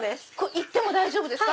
行っても大丈夫ですか？